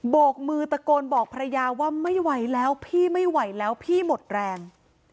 โกกมือตะโกนบอกภรรยาว่าไม่ไหวแล้วพี่ไม่ไหวแล้วพี่หมดแรง